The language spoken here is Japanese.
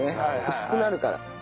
薄くなるから。